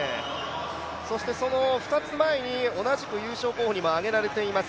そしてその２つ前に同じく優勝候補にも挙げられています